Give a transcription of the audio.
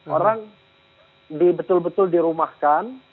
orang betul betul dirumahkan